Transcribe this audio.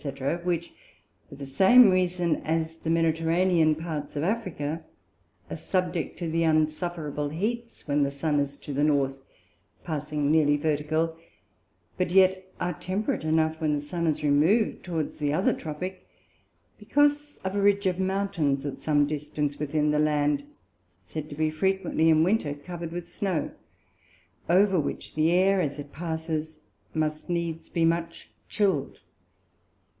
_ which for the same reason as the Mediterranean Parts of Africa, are subject to unsufferable Heats when the Sun is to the North, passing nearly Vertical; but yet are temperate enough when the Sun is removed towards the other Tropick; because of a ridge of Mountains at some distance within the Land, said to be frequently in Winter cover'd with Snow, over which the Air, as it passes, must needs be much chill'd.